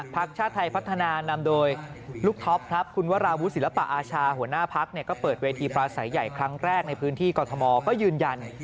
ชาติไทยพัฒนานำโดยลูกท็อปครับคุณวราวุศิลปะอาชาหัวหน้าพักก็เปิดเวทีปราศัยใหญ่ครั้งแรกในพื้นที่กรทมก็ยืนยัน